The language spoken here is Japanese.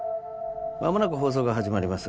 まもなく放送が始まります。